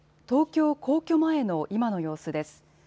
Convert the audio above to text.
東京・皇居前の今の様子です。